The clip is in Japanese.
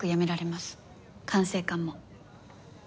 管制官も。